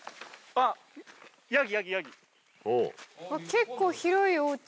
結構広いおうち。